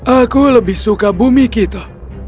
aku lebih suka bumi kita